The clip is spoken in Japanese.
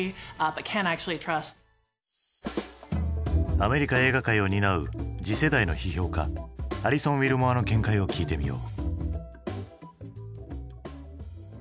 アメリカ映画界を担う次世代の批評家アリソン・ウィルモアの見解を聞いてみよう。